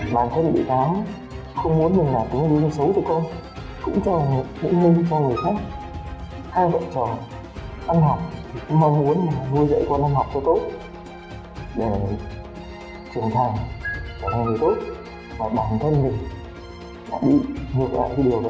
cao tài năng cũng mong muốn nuôi dạy con âm học cho tốt để trở thành người tốt và bản thân mình đã bị ngược lại cái điều đó